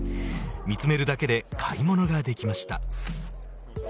見つめるだけで買い物ができました。